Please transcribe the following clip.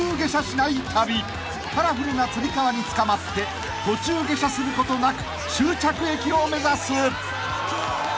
［カラフルなつり革につかまって途中下車することなく終着駅を目指す］